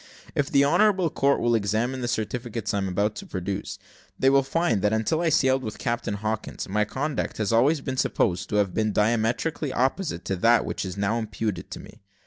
If the honourable court will examine the certificates I am about to produce, they will find that, until I sailed with Captain Hawkins, my conduct has always been supposed to have been diametrically opposite to that which is now imputed to me.